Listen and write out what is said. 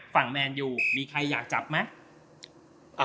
แมนอยู่มีใครอยากจับไหม